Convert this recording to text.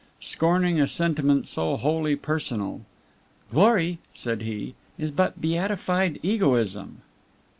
Scorning a sentiment so wholly personal: "Glory," said he, "is but beatified egoism."